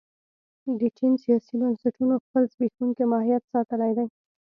د چین سیاسي بنسټونو خپل زبېښونکی ماهیت ساتلی دی.